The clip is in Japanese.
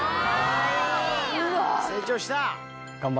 成長した！